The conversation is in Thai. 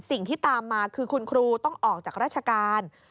สิ่งที่ตามมาคือคุณครูต้องออกจากราชการ